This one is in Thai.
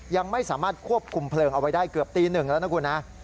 ยังไม่สามารถควบคุมเพลิงเอาไว้ได้เกือบตีหนึ่งแล้วนะคุณนะ